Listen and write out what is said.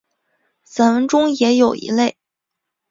散文中也有一类。